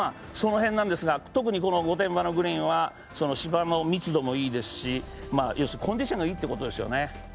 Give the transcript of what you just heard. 特に御殿場のグリーンは芝の密度もいいですし、コンディションがいいということですよね。